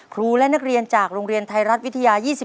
ครูและนักเรียนจากโรงเรียนไทยรัฐวิทยา๒๔